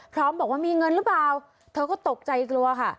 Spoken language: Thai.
พร้อมบอกว่ามีเงินหรือเปล่าเธอก็ตกใจกลัวค่ะ